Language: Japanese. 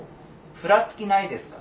ふらつきないですか？